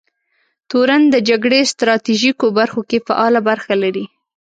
تورن د جګړې ستراتیژیکو برخو کې فعاله برخه لري.